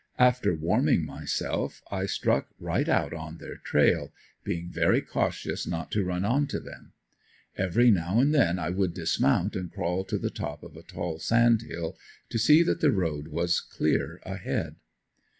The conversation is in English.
After warming myself I struck right out on their trail, being very cautious not to run onto them. Every now and then I would dismount and crawl to the top of a tall sand hill to see that the road was clear ahead.